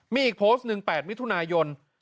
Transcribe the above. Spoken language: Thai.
มีอีกโพสต์หนึ่ง๘มิถุนายน